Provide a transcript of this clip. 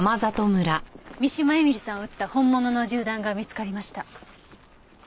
三島絵美里さんを撃った本物の銃弾が見つかりました。